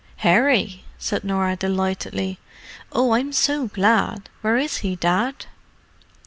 "Harry!" said Norah delightedly. "Oh, I'm so glad! Where is he, Dad?"